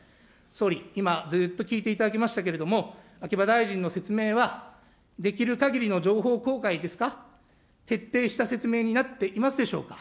総理、今ずっと聞いていただきましたけれども、秋葉大臣の説明は、できるかぎりの情報公開ですか、徹底した説明になっていますでしょうか。